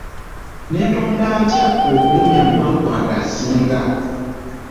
Neetonda ntya okulumya mukwano gwange asinga?